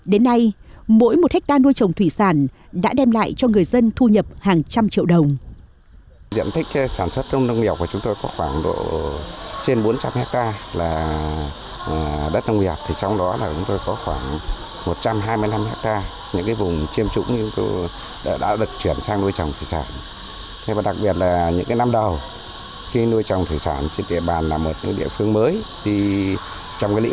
đến nay mỗi một hectare nuôi trồng thủy sản đã đem lại cho người dân thu nhập hàng trăm triệu đồng